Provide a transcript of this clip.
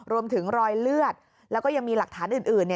รวมถึงรอยเลือดแล้วก็มีหลักฐานอื่น